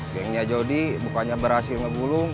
gengnya jody bukannya berhasil ngebulung